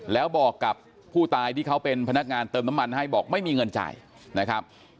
แล้วบอกกับผู้ตายที่เขาเป็นพนักงานเติมน้ำมันให้บอกไม่มีเงินจ่ายนะครับ